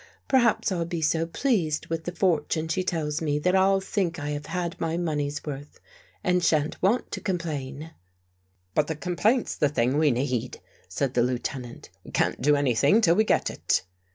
Perhaps I'll be so pleased with the fortune she tells me that I'll think I have had my money's worth and sha'n't want to complain." " But the complaint's the thing we need," said the io8 FIGHTING THE DEVIL WITH FIRE Lieutenant. "We can't do anything till we get it."